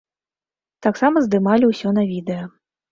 Таксама здымалі ўсё на відэа.